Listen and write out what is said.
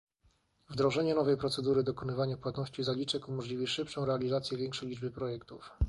Wdrożenie nowej procedury dokonywania płatności zaliczek umożliwi szybszą realizację większej liczby projektów